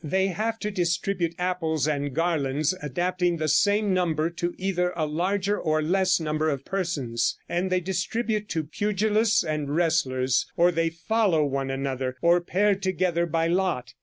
They have to distribute apples and garlands, adapting the same number to either a larger or less number of persons; and they distribute to pugilists and wrestlers, or they follow one another, or pair together by lot.